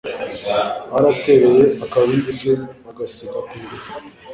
baratereye akabindi ke bagasiga ku iriba